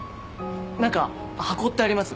何か箱ってあります？